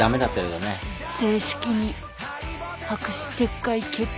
正式に白紙撤回決定。